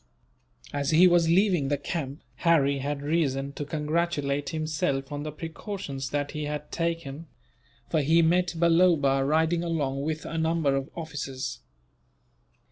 As he was leaving the camp, Harry had reason to congratulate himself on the precautions that he had taken; for he met Balloba, riding along with a number of officers.